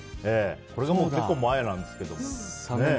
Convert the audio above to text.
これが結構前なんですけど。